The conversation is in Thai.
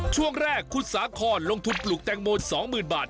ช่วงแรกคุณสาคอนลงทุนปลูกแตงโม๒๐๐๐บาท